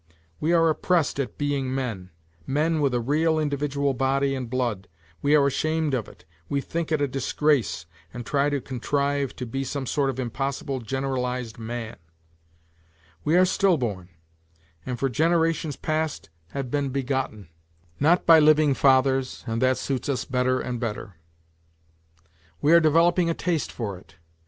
We are oppressed at being men men with a real individual body and blood, we are ashamed of it, we think it a disgrace and try to contrive to be some sort of impossible generalized man. We are stillborn, and for generations past have been begotten, NOTES FROM UNDERGROUND 155 not by living fathers, and that suits us better and better. We are developing a taste for it.